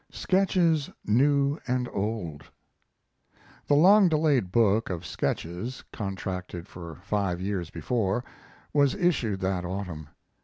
"SKETCHES NEW AND OLD" The long delayed book of Sketches, contracted for five years before, was issued that autumn.